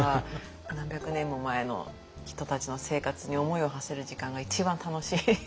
何百年も前の人たちの生活に思いをはせる時間が一番楽しいです。